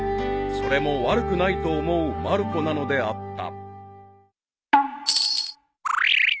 ［それも悪くないと思うまる子なのであった］